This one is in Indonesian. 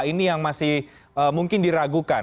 ini yang masih mungkin diragukan